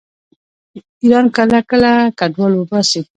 ایران کله کله کډوال وباسي.